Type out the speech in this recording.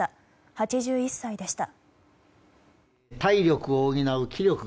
８１歳でした。